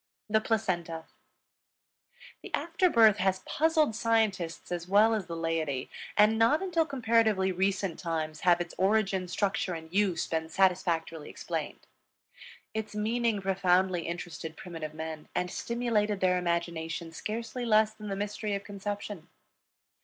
THE PLACENTA. The after birth has puzzled scientists as well as the laity, and not until comparatively recent times have its origin, structure, and use been satisfactorily explained. Its meaning profoundly interested primitive men and stimulated their imagination scarcely less than the mystery of conception.